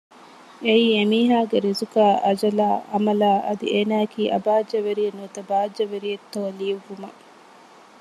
އެއީ އެ މީހާގެ ރިޒުގާއި އަޖަލާއި ޢަމަލާއި އަދި އޭނާއަކީ އަބާއްޖަވެރިއެއް ނުވަތަ ބާއްޖަވެރިއެއްތޯ ލިޔުއްވުމަށް